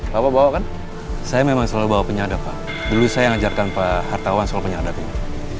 bawa bawa kan saya memang selalu bawa penyadap dulu saya ngajarkan pak hartawan soal penyadapnya